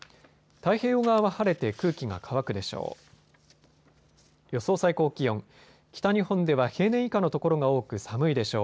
太平洋側は晴れて空気が乾くでしょう。